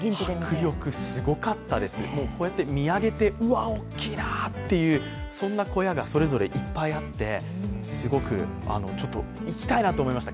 迫力すごかったです見上げて、うわあ、大きいなっていうそんな小屋がそれぞれいっぱいあって、すごく、行きたいなと思いました。